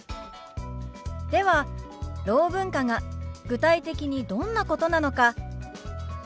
ではろう文化が具体的にどんなことなのか